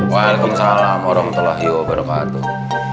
waalaikumsalam warahmatullahi wabarakatuh